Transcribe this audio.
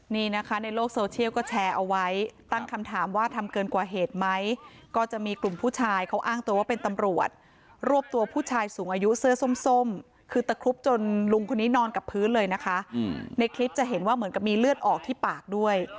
นี่นะคะในโลกโซเชียลก็แชร์เอาไว้ตั้งคำถามว่าทำเกินกว่าเหตุไหมก็จะมีกลุ่มผู้ชายเขาอ้างตัวว่าเป็นตำรวจรวบตัวผู้ชายสูงอายุเสื้อส้มคือตะครุบจนลุงคนนี้นอนกับพื้นเลยนะคะในคลิปจะเห็นว่าเหมือนกับมีเลือดออกที่ปากด้วย